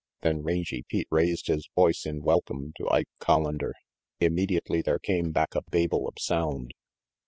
Then Rangy Pete raised his voice in welcome to Ike Collander. Immediately there came back a babel of sound.